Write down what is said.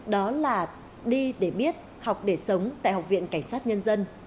đó là đi để biết học để sống tại học viện cảnh sát nhân dân